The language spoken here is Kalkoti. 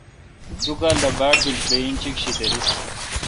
دو کال دا باڑ بیل بہ انچیک شی دریس۔